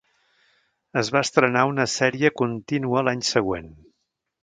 Es va estrenar una sèrie continua l'any següent.